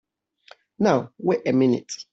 Now wait a minute!